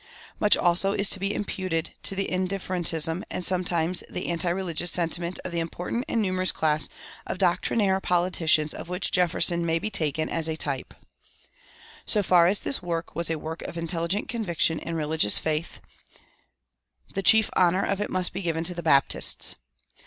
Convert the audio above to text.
Much also is to be imputed to the indifferentism and sometimes the anti religious sentiment of an important and numerous class of doctrinaire politicians of which Jefferson may be taken as a type. So far as this work was a work of intelligent conviction and religious faith, the chief honor of it must be given to the Baptists.